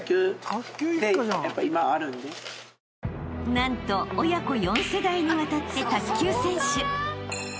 ［何と親子４世代にわたって卓球選手］